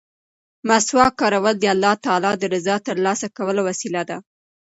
مسواک کارول د الله تعالی د رضا د ترلاسه کولو وسیله ده.